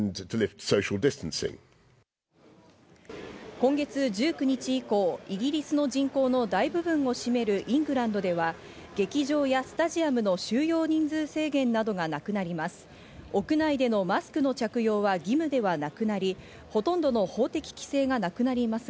今月１９日以降、イギリスの人口の大部分を占めるイングランドでは劇場やスタジアムの収容人数制限などがなくなります。